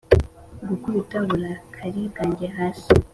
gukubita uburakari bwanjye hasi